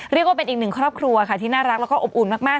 เรียกว่าเป็นอีกหนึ่งครอบครัวค่ะที่น่ารักแล้วก็อบอุ่นมาก